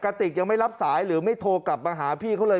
ติกยังไม่รับสายหรือไม่โทรกลับมาหาพี่เขาเลย